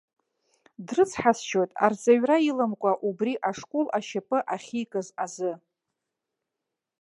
Дрыцҳасшьоит, арҵаҩра иламкәа убри ашкол ашьапы ахьикыз азы.